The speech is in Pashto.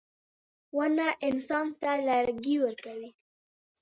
• ونه انسان ته لرګي ورکوي.